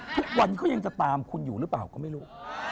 ทุกวันนี้เขายังจะตามคุณอยู่หรือเปล่าก็ไม่รู้